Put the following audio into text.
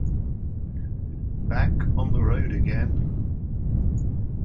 Back on the road again!